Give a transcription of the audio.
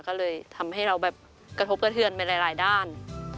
ก็เลยทำให้เราแบบกระทบกระเทือนไปหลายด้าน